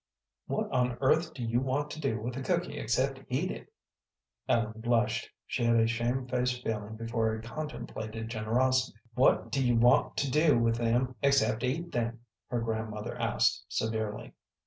"What on earth do you want to do with a cooky except eat it?" Ellen blushed; she had a shamed faced feeling before a contemplated generosity. "What do you want to do with them except eat them?" her grandmother asked, severely.